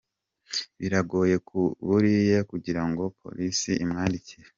Biragoye buriya kugira ngo polisi imwandikire.